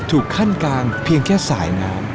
ขั้นกลางเพียงแค่สายน้ำ